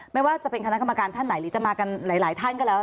ไม่ว่าจะเป็นคณะกรรมการท่านไหนหรือจะมากันหลายท่านก็แล้ว